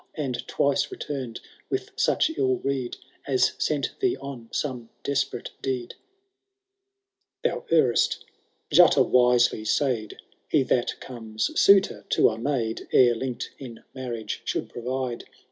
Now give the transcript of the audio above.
And twice returned with such ill rede As sent thee on some desperate deed/* — XII. ^ Thou errest ; Jutta wisely said, He that comes suitor to a maid. Ere linked in marriage, should provide.